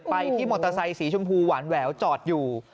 ไปที่มอเตอร์ไซค์สีชมพูหวานแหววจอดอยู่